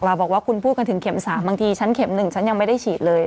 บอกว่าคุณพูดกันถึงเข็ม๓บางทีฉันเข็ม๑ฉันยังไม่ได้ฉีดเลย